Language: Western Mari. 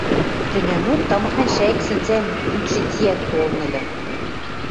Тӹнӓмок тамахань шӓйӹк сӹнзӓӓн йӱкшӹ тиӓк толын ыльы.